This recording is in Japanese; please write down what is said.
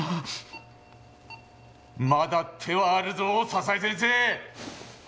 まだ手はあるぞ佐々井先生！